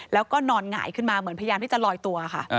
แล้วก็นอนหงายขึ้นมาเหมือนพยายามที่จะลอยตัวค่ะ